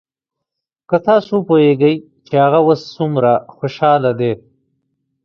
که تاسو وپويېګئ چې هغه اوس سومره خوشاله دى.